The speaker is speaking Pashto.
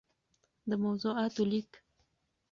دموضوعاتو ليــک